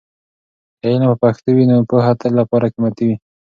که علم په پښتو وي، نو پوهه تل لپاره قیمتي وي.